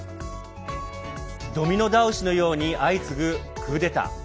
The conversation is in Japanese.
ドミノ倒しのように相次ぐクーデター。